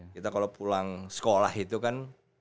kita kalau pulang sekolah itu kan